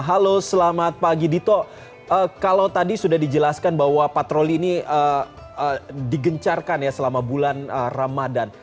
halo selamat pagi dito kalau tadi sudah dijelaskan bahwa patroli ini digencarkan ya selama bulan ramadan